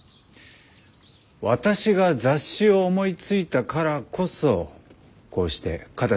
私が雑誌を思いついたからこそこうして形になったわけだ。